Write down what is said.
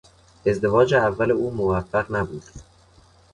ازدواج اول او موفق نبود.